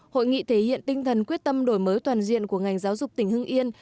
hội nghị thể hiện tinh thần quyết tâm đổi mới toàn diện của ngành giáo dục tỉnh hưng yên